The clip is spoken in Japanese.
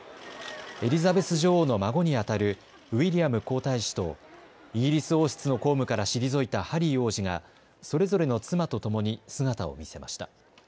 エリザベス女王の孫にあたるウィリアム皇太子とイギリス王室の公務から退いたハリー王子がそれぞれの妻とともに姿を見せました。